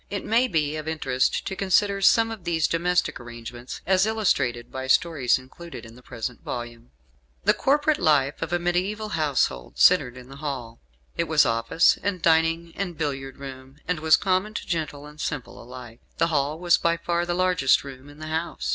It may be of interest to consider some of these domestic arrangements, as illustrated by stories included in the present volume. The corporate life of a mediaeval household centered in the hall. It was office and dining and billiard room, and was common to gentle and simple alike. The hall was by far the largest room in the house.